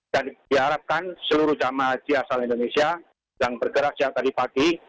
dan diharapkan seluruh jemaah haji asal indonesia yang bergerak sejak tadi pagi